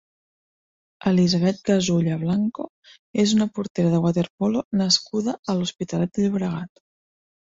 Elisabet Gazulla Blanco és una portera de waterpolo nascuda a l'Hospitalet de Llobregat.